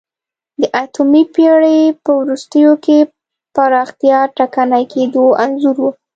د اتمې پېړۍ په وروستیو کې پراختیا ټکنۍ کېدو انځور و